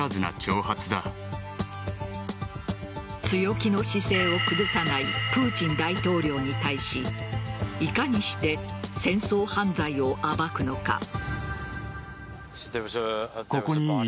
強気の姿勢を崩さないプーチン大統領に対しいかにして戦争犯罪を暴くのか。